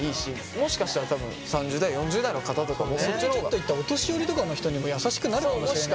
もしかしたら多分３０代４０代の方とかもね。お年寄りとかの人にも優しくなるかもしれないしね。